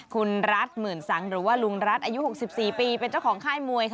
คุณรัฐหมื่นสังหรือว่าลุงรัฐอายุ๖๔ปีเป็นเจ้าของค่ายมวยค่ะ